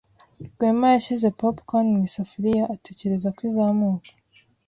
Rwema yashyize popcorn mu isafuriya ategereza ko izamuka.